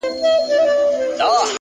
زه به له خپل دياره ولاړ سمه؛